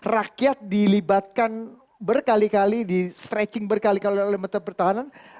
rakyat dilibatkan berkali kali di stretching berkali kali oleh menteri pertahanan